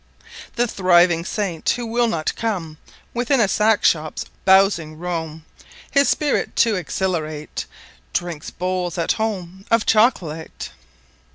The Thriving Saint, who will not come Within a Sack Shop's Bowzing Roome (His Spirit to Exhilerate) Drinkes Bowles (at home) of Chocolate.